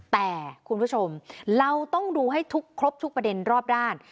แต่คุณผู้ชมเราต้องดูให้ทุกครบทุกประเด็นรอบด้าน